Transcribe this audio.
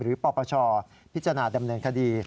ปปชพิจารณาดำเนินคดี